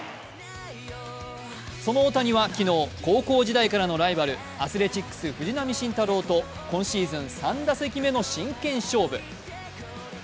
その大谷は昨日、高校時代からのライバル、アスレチックス・藤浪晋太郎と今シーズン３打席目の真剣勝負。